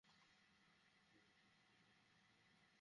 ইতিমধ্যে প্রতিটি কলে আগের চেয়ে বেশি টাকা কাটা শুরু হয়ে গেছে।